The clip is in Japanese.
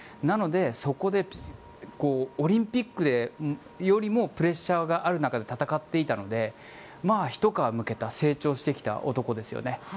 なので、そこでオリンピックでよりプレッシャーがある中で戦っていたので、ひと皮むけた成長してきた男ですよね。